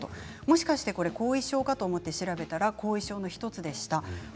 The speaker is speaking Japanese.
もしかして後遺症かと思って調べたら、後遺症の１つでした。